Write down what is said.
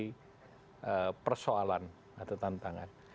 banyak sekali persoalan atau tantangan